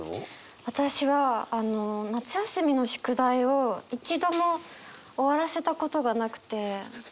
私は夏休みの宿題を一度も終わらせたことがなくて。